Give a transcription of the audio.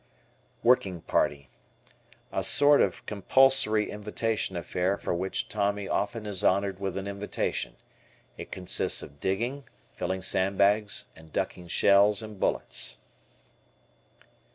Working Party. A sort of compulsory invitation affair for which Tommy often is honored with an invitation. It consists of digging, filling sandbags, and ducking shells and bullets.